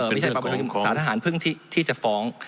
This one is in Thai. ไม่ใช่พบชสาธารณ์เพิ่งที่จะฟ้อง